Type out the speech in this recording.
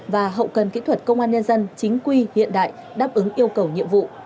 và hậu cần kỹ thuật công an nhân dân chính quy hiện đại đáp ứng yêu cầu nhiệm vụ